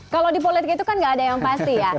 kalau di politik itu kan gak ada yang pasti ya